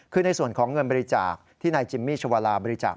คือในส่วนของเงินบริจาคที่นายจิมมี่ชวาลาบริจาค